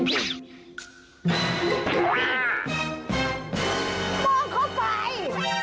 โม่เข้าไป